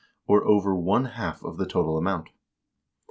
or over one half of the total amount.